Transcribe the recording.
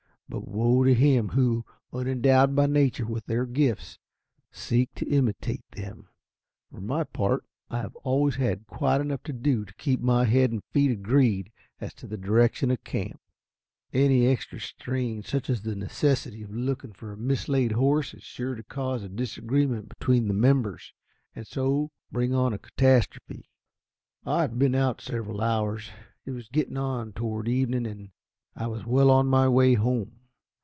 But woe to him who, unendowed by nature with their gifts, seeks to imitate them. For my part I have always had quite enough to do to keep my head and feet agreed as to the direction of camp. Any extra strain, such as the necessity of looking for a mislaid horse, is sure to cause a disagreement between the members, and so bring on a catastrophe. I had been out several hours. It was getting on toward evening, and I was well on my way home.